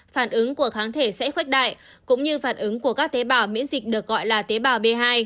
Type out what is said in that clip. phản ứng của kháng thể sẽ khuếch đại cũng như phản ứng của các tế bào miễn dịch được gọi là tế bào b hai